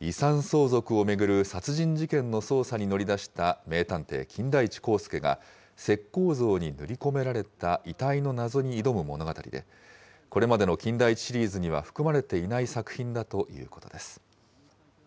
遺産相続を巡る殺人事件の捜査に乗り出した名探偵、金田一耕助が石こう像に塗り込められた遺体の謎に挑む物語で、これまでの金田一シリーズには含まれていない作品だということです。